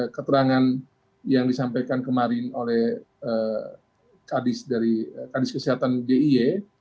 keterangan yang disampaikan kemarin oleh kadis dari kadis kesehatan dia